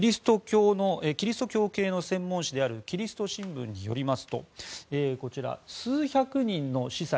キリスト教系の専門紙であるキリスト新聞によりますとこちら、数百人の司祭